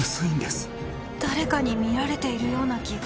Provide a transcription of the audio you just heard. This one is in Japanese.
誰かに見られているような気が。